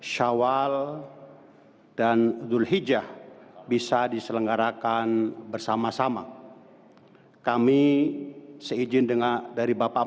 shawwal dan dulhijjah bisa diselenggarakan bersama sama kami seizin dengan dari bapak